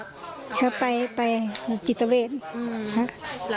เพราะว่าที่นี่มันเสพเยอะแบบนั้นแหละ